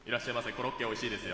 コロッケおいしいですよ。